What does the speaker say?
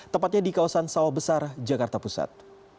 tepatnya di kawasan sawah besar jakarta pusat